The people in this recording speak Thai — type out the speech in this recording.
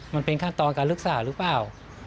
มันเป็นขั้นตอนการรักษาหรือเปล่า